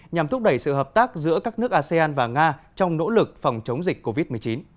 nhằm thúc đẩy sự hợp tác giữa các nước asean và nga trong nỗ lực phòng chống dịch covid một mươi chín